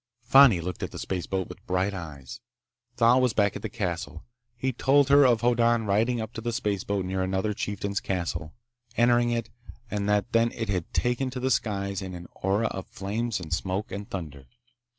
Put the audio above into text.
Fani looked at the spaceboat with bright eyes. Thal was back at the castle. He'd told her of Hoddan riding up to the spaceboat near another chieftain's castle, entering it, and that then it had taken to the skies in an aura of flames and smoke and thunder.